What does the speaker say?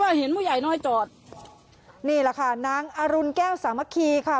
สัปดิ์ใจเห็นผู้ใหญ่เลยเจาะนี่แหละค่ะนางอรุณแก้วสามะคีค่ะ